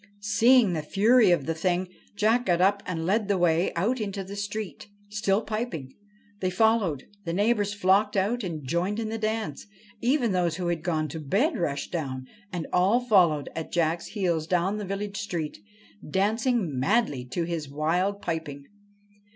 Seeing the fury of the thing, Jack got up and led the way out into the street, still piping. They followed ; the neighbours flocked out and joined in the dance ; even those who had gone to bed rushed down, and all followed at Jack's heels down the village street, dancing madly to his wild piping.